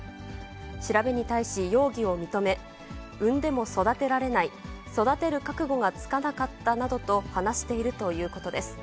調べに対し、容疑を認め、産んでも育てられない、育てる覚悟がつかなかったなどと話しているということです。